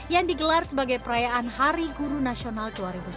yang digelar sebagai perayaan hari guru nasional dua ribu sembilan belas